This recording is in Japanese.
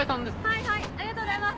はいはいありがとうございます。